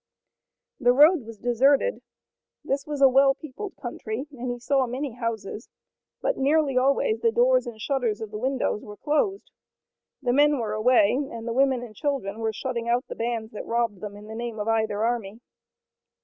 The road was deserted. This was a well peopled country, and he saw many houses, but nearly always the doors and shutters of the windows were closed. The men were away, and the women and children were shutting out the bands that robbed in the name of either army.